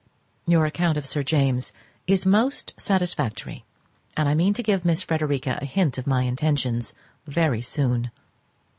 Your account of Sir James is most satisfactory, and I mean to give Miss Frederica a hint of my intentions very soon.